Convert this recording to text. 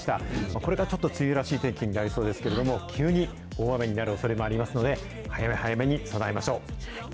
これからちょっと梅雨らしい天気になりそうですけれども、急に大雨になるおそれもありますので、早め早めに備えましょう。